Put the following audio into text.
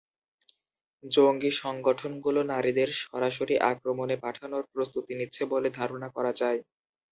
জঙ্গি সংগঠনগুলো নারীদের সরাসরি আক্রমণে পাঠানোর প্রস্তুতি নিচ্ছে বলে ধারণা করা যায়।